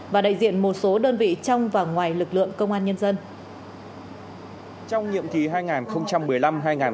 và đại diện một số đơn vị trong và ngoài lực lượng công an nhân dân